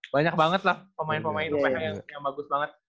banyak banget lah pemain pemain uph yang bagus banget